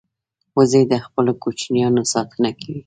وزې د خپلو کوچنیانو ساتنه کوي